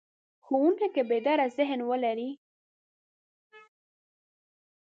ښوونکی که بیداره ذهن ولري.